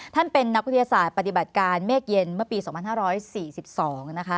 เป็นนักวิทยาศาสตร์ปฏิบัติการเมฆเย็นเมื่อปี๒๕๔๒นะคะ